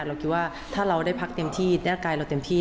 เราคิดว่าถ้าเราได้พักเต็มที่ร่างกายเราเต็มที่